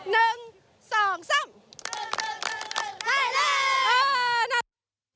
ได้แล้ว